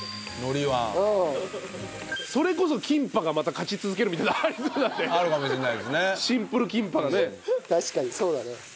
それこそキンパがまた勝ち続けるみたいなのありそうだね。